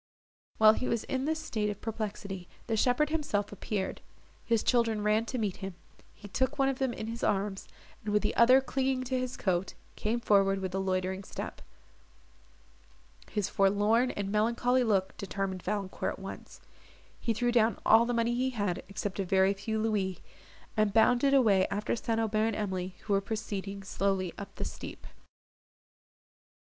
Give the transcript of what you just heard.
While he was in this state of perplexity, the shepherd himself appeared: his children ran to meet him; he took one of them in his arms, and, with the other clinging to his coat, came forward with a loitering step. His forlorn and melancholy look determined Valancourt at once; he threw down all the money he had, except a very few louis, and bounded away after St. Aubert and Emily, who were proceeding slowly up the steep.